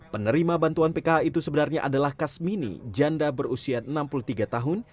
penerima bantuan pkh itu sebenarnya adalah kasmini janda berusia enam puluh tiga tahun